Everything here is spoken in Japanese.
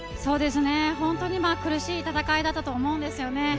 本当に苦しい戦いだったと思うんですよね。